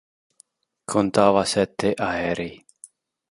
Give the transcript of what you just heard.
Contava sette aerei.